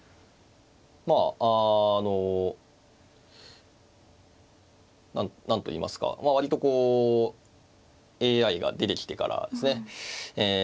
まああの何といいますか割とこうＡＩが出てきてからですね